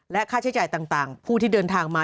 ค่าใช้จ่ายต่างผู้ที่เดินทางมา